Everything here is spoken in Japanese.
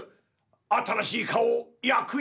新しい顔を焼くよ！